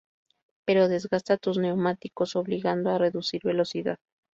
Pero desgasta tus neumáticos, obligando a reducir velocidad.